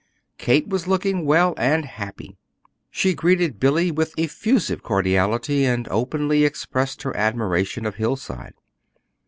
Kate was looking well and happy. She greeted Billy with effusive cordiality, and openly expressed her admiration of Hillside.